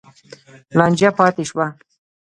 لانجه پاتې شوه.